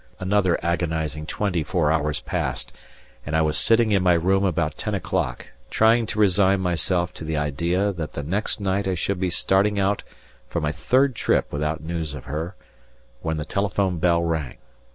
Another agonizing twenty four hours passed, and I was sitting in my room about ten o'clock, trying to resign myself to the idea that the next night I should be starting out for my third trip without news of her, when the telephone bell rang.